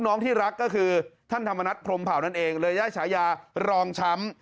น้องที่รักก็คือท่านธรรมนัฐพรมเผานั่นเองเลยได้ฉายารองช้ำ